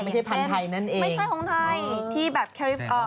ไม่ใช่พันธุ์ไทยนั่นเองไม่ใช่พันธุ์ไทยที่แบบฟลอีด่า